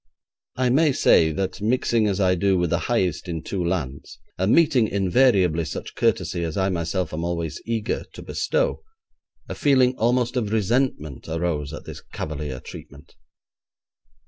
I may say that, mixing as I do with the highest in two lands, and meeting invariably such courtesy as I myself am always eager to bestow, a feeling almost of resentment arose at this cavalier treatment.